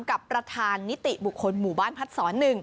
กับประธานนิติบุคคลหมู่บ้านพัดศร๑